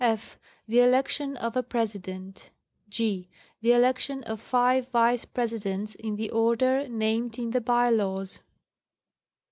Ff. The election of a President. g. The election of five Vice Presidents, in the order named in the By Laws.